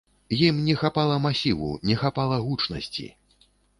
Ім не хапала масіву, не хапала гучнасці.